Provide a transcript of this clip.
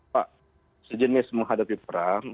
pak sejenis menghadapi perang